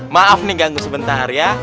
maaf nih ganggu sebentar ya